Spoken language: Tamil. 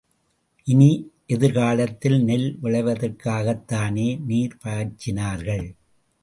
இனி எதிர் காலத்தில் நெல் விளைவதற்காகத்தானே நீர் பாய்ச்சினார்கள்?